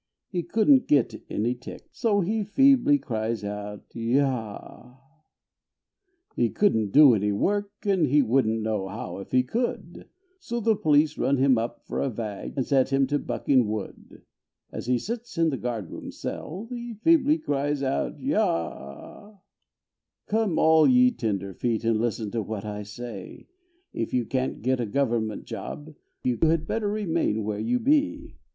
He couldn't get any tick So he feebly cries out "yah"! He couldn't do any work And he wouldn't know how if he could; So the police run him for a vag And set him to bucking wood. As he sits in the guard room cell, He feebly cries out "yah"! Come all ye tenderfeet And listen to what I say, If you can't get a government job You had better remain where you be.